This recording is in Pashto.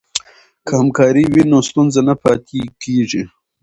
که همکاري وي نو ستونزه نه پاتې کیږي.